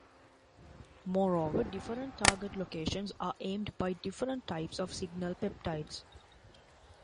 Moreover, different target locations are aimed by different types of signal peptides.